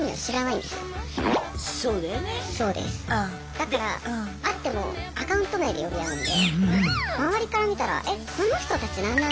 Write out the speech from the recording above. だから会ってもアカウント名で呼び合うんで周りから見たらえっこの人たち何の集まり？